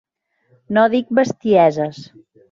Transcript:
No dic bestieses.